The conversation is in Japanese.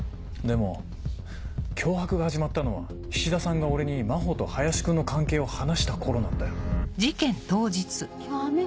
でも脅迫が始まったのは菱田さんが俺に真帆と林君の関係を話した頃なんだよ。